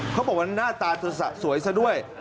เขาบอกว่าน่าตาสวยซะด้วย